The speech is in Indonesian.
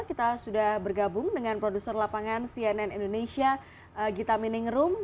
kita sudah bergabung dengan produser lapangan cnn indonesia gita miningrum